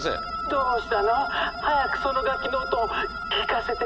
「どうしたの？早くその楽器の音を聞かせてちょうだい」。